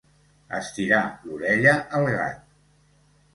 Estirar l'orella al gat.